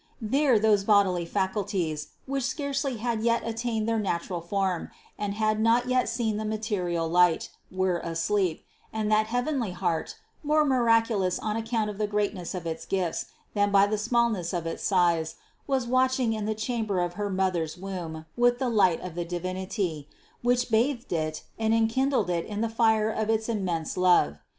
There those bodily faculties, which scarcely had yet attained their natural form and had not yet seen the material light, THE CONCEPTION 191 were asleep, and that heavenly heart, more marvelous on account of the greatness of its gifts than by the small ness of its size, was watching in the chamber of her mother's womb with the light of the Divinity, which bathed it and enkindled it in the fire of its immense love.